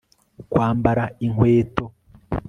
Kwambara inkweto